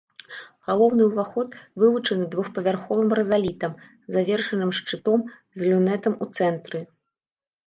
Галоўны ўваход вылучаны двухпавярховым рызалітам, завершаным шчытом з люнетам у цэнтры.